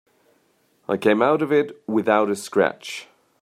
I came out of it without a scratch.